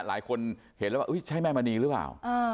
หลายคนเห็นแล้วว่าใช่แม่มณีหรือเปล่า